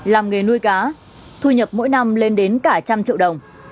làm nghề nuôi cá thu nhập mỗi năm lên đến cả trăm triệu đồng